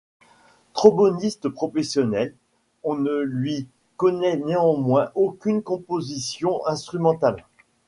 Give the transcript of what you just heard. Tromboniste professionnel, on ne lui connaît néanmoins aucune composition instrumentale.